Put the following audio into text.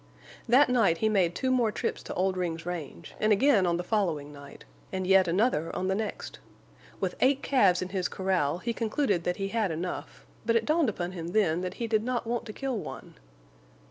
That night he made two more trips to Oldring's range, and again on the following night, and yet another on the next. With eight calves in his corral, he concluded that he had enough; but it dawned upon him then that he did not want to kill one.